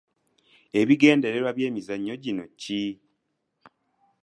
Ebigendererwa by’emizannyo gino ki?